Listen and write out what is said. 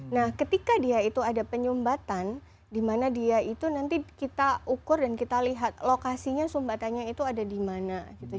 nah ketika dia itu ada penyumbatan di mana dia itu nanti kita ukur dan kita lihat lokasinya sumbatannya itu ada di mana gitu